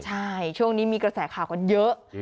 ใช่ช่วงนี้มีกระแสข่าวกันเยอะ